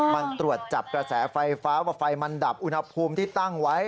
มันตรวจจับกระแสไฟฟ้าว่าไฟมันดับอุณหภูมิที่ตั้งไว้